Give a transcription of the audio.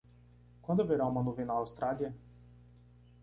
Quando haverá uma nuvem na Austrália?